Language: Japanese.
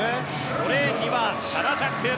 ５レーンにはシャナ・ジャック。